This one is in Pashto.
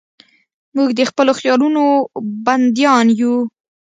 موږ د خپلو خیالونو بندیان یو.